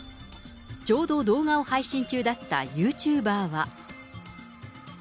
ちょうど動画を配信中だったユーチューバーは。